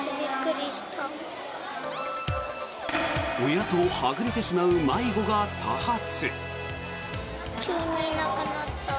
親とはぐれてしまう迷子が多発。